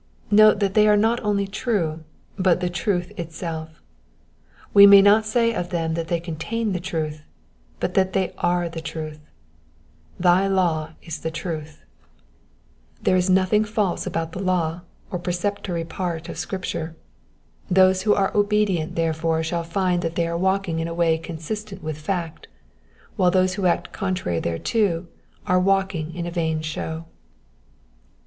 Note, that they are not only true, but the truth itself. We may not say of them that they contain the truth, but that they are the truth: ''thy law is the truth." There is nothing false about Digitized by V^OO^lC PSALM ONE HUNDRED AND NINETEEN— VERSES 137 TO 144. 299 the law or preceptory part of Scripture. Those who are obedient thereto shall find that they are walking in a way consistent with fact, while those who act contrary thereto are walking in a vain show.